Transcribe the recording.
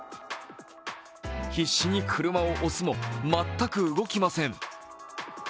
必死に車を押すも、全く動きません